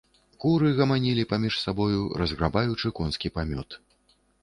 Куры гаманілі паміж сабою, разграбаючы конскі памёт.